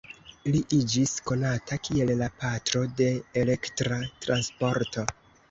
Li iĝis konata kiel la "Patro de Elektra Transporto".